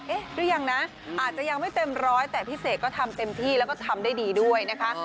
หรือยังนะอาจจะยังไม่เต็มร้อยแต่พี่เสกก็ทำเต็มที่แล้วก็ทำได้ดีด้วยนะคะ